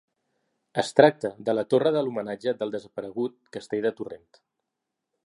Es tracta de la torre de l'homenatge del desaparegut castell de Torrent.